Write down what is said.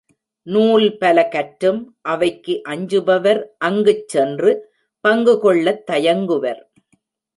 நூல் பல கற்றும் அவைக்கு அஞ்சுபர் அங்குச் சென்று பங்குகொள்ளத் தயங்குவர்.